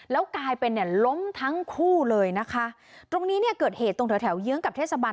แล้วกลายเป็นเนี่ยล้มทั้งคู่เลยนะคะตรงนี้เนี่ยเกิดเหตุตรงแถวแถวเยื้องกับเทศบาล